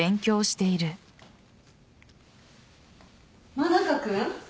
真中君？